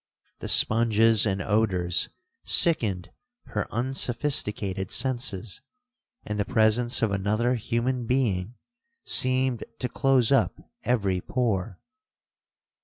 The sponges and odours sickened her unsophisticated senses, and the presence of another human being seemed to close up every pore.